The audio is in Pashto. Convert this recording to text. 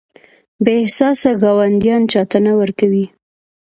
بې احساسه ګاونډیان چاته نه ورکوي.